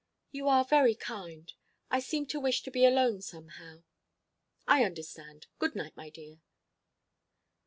"You are very kind.... I seem to wish to be alone, somehow." "I understand.... Good night, my dear."